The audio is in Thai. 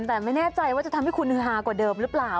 แต่ไม่แน่ใจว่าจะทำให้คุณฮือฮากว่าเดิมหรือเปล่า